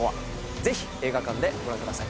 ぜひ映画館でご覧ください